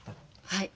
はい。